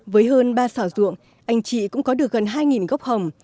với hơn ba xảo ruộng anh chị cũng có được gần hai gốc hồng